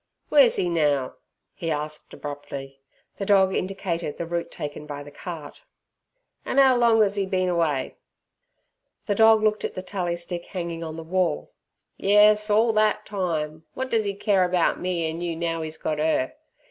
"W'ere's 'e now?" he asked abruptly. The dog indicated the route taken by the cart. "An' 'ow long as 'e bin away?" The dog looked at the tally stick hanging on the wall. "Yes, orl thet time! What does 'e care about me an' you, now 'e's got 'er!